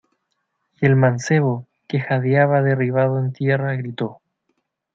y el mancebo, que jadeaba derribado en tierra , gritó: